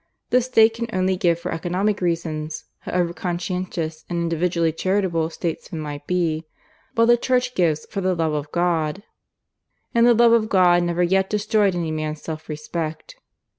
The State can only give for economic reasons, however conscientious and individually charitable statesmen may be; while the Church gives for the Love of God, and the Love of God never yet destroyed any man's self respect.